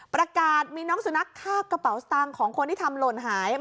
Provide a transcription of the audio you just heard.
ประกาศมีน้องสุนัขฆ่ากระเป๋าสตางค์ของคนที่ทำหล่นหาย